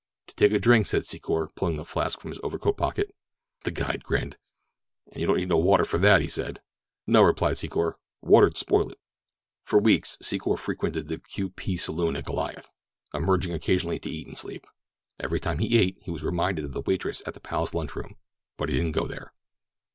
"To take a drink," said Secor, pulling the flask from his overcoat pocket. The guide grinned. "An' you don't need no water for that," he said. "No," replied Secor, "water'd spoil it." For weeks Secor frequented the Q. P. saloon at Goliath, emerging occasionally to eat and sleep. Every time he ate he was reminded of the waitress at the Palace Lunch Room, but he didn't go there.